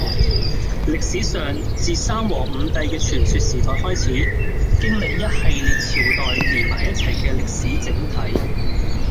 歷史上，自三皇五帝嘅傳說時代開始，經歷一系列朝代連埋一齊嘅「歷史整體」。